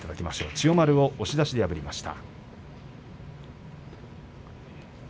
千代丸を押し出しで破りました。